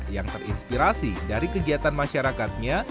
yang terinspirasi dari kegiatan masyarakatnya